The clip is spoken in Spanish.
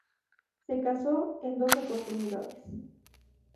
Se casó en dos oportunidades.